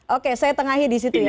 oke saya tengahi di situ ya